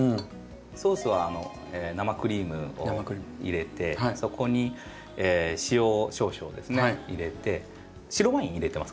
ソースは生クリームを入れてそこに塩を少々ですね入れて白ワイン入れてます